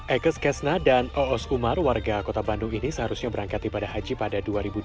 ekes kesna dan oos umar warga kota bandung ini seharusnya berangkat ibadah haji pada dua ribu dua puluh